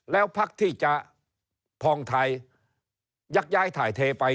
แล้วพักที่จะพองไทยยักย้ายถ่ายเทไป